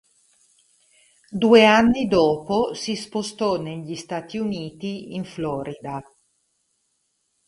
Due anni dopo si spostò negli Stati Uniti, in Florida.